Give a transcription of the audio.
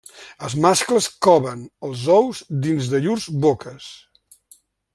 Els mascles coven els ous dins de llurs boques.